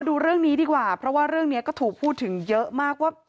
ดูเรื่องนี้ดีกว่าเพราะว่าเรื่องนี้ก็ถูกพูดถึงเยอะมากว่า